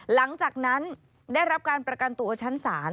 หลังจากนั้นได้รับการประกันตัวชั้นศาล